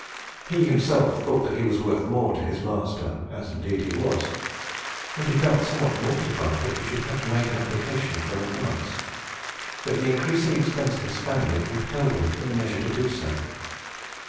He himself thought that he was worth more to his master as indeed he was, and he felt somewhat mortified that he should have to make an application for an advance; but the increasing expenses of his family compelled him in a measure to do so.